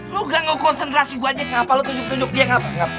lo gak ngekonsentrasi gua aja ngapa lo tunjuk tunjuk dia ngapa